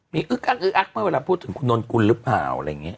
มีอึ๊กอะไหมเวลาพูดถึงคุณนนท์กุลหรือเปล่าอะไรอย่างนี้